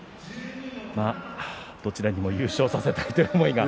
どちらにも優勝させたいいう思いが。